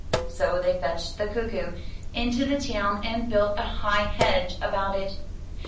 So they fetched the cuckoo into the town and built a high hedge about it.